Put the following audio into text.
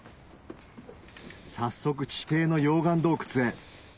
早速地底の溶岩洞窟へ